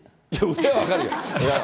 腕は分かるよ。